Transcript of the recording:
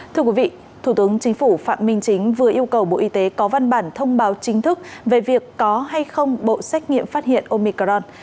thưa quý vị thủ tướng chính phủ phạm minh chính vừa yêu cầu bộ y tế có văn bản thông báo chính thức về việc có hay không bộ xét nghiệm phát hiện omicron